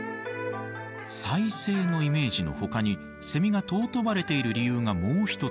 再生のイメージのほかにセミが尊ばれている理由がもう一つ。